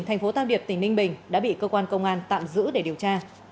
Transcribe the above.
thành phố tam điệp tỉnh ninh bình